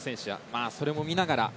それも見ながら。